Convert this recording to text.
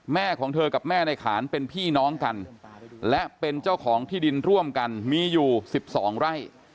แม่ของเธอกับแม่ในขานเป็นพี่น้องกันและเป็นเจ้าของที่ดินร่วมกันมีอยู่๑๒ไร่